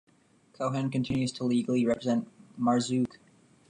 Cohen continues to legally represent Marzook.